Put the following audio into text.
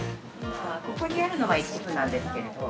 ここにあるのは一部なんですけれど。